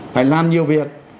phải làm nhiều việc